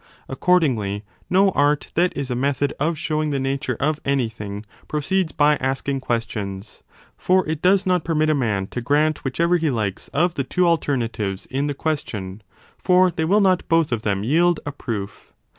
Accordingly, no 15 art that is a method of showing the nature of anything proceeds by asking questions : for it does not permit a man to grant whichever he likes of the two alternatives in the 172* DE SOPHISTICIS ELENCHIS question : for they will not both of them yield a proof.